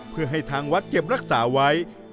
เพื่อให้ทางวัดเก็บรักษาไว้